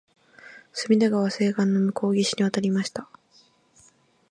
隅田川左岸の向島に移りました